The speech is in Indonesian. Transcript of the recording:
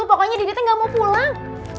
pokoknya diditnya gak mau pulang